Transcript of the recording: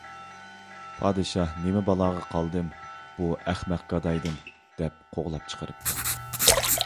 پادىشاھ: «نېمە بالاغا قالدىم بۇ ئەخمەق گادايدىن» دەپ قوغلاپ چىقىرىپتۇ.